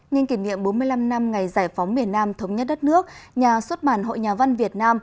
nhân kỷ niệm bốn mươi năm năm ngày giải phóng miền nam thống nhất đất nước nhà xuất bản hội nhà văn việt nam